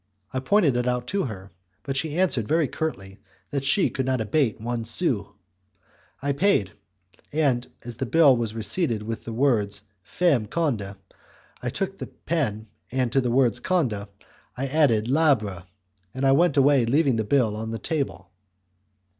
I pointed it out to her, but she answered very curtly that she could not abate one sou. I paid, and as the bill was receipted with the words 'femme Conde', I took the pen and to the word 'Conde' I added 'labre', and I went away leaving the bill on the table.